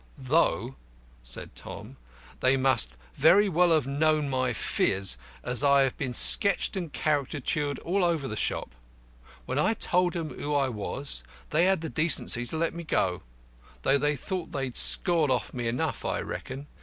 "Though," said Tom, "they must very well have known my phiz, as I have been sketched and caricatured all over the shop. When I told them who I was they had the decency to let me go. They thought they'd scored off me enough, I reckon.